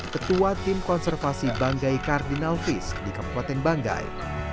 ketua tim konservasi banggai cardinal fish di kepokoteng banggai